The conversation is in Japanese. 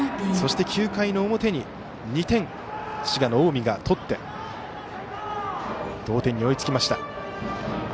そして９回の表に２点、滋賀の近江が取って同点に追いつきました。